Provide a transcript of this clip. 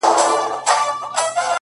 o هغه نن بيا د واويلا خاوند دی ـ